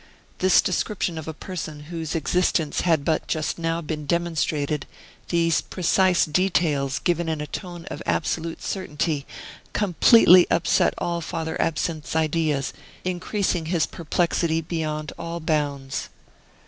This description of a person whose existence had but just now been demonstrated, these precise details given in a tone of absolute certainty, completely upset all Father Absinthe's ideas, increasing his perplexity beyond all bounds.